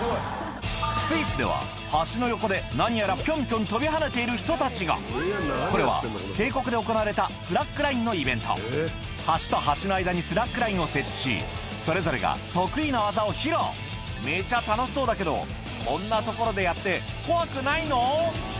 スイスでは橋の横で何やらぴょんぴょん跳びはねている人たちがこれは渓谷で行われたスラックラインのイベント橋と橋の間にスラックラインを設置しそれぞれが得意な技を披露めちゃ楽しそうだけどこんな所でやって怖くないの？